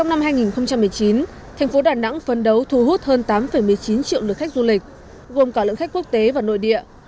trong năm hai nghìn một mươi chín thành phố đà nẵng phấn đấu thu hút hơn tám một mươi chín triệu lượt khách du lịch gồm cả lượng khách quốc tế và nội địa